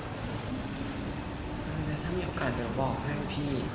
แล้วถ้ามีโอกาสเดี๋ยวบอกให้พี่